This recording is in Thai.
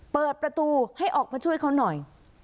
เปิดประตูให้ออกมาช่วยเขาหน่อย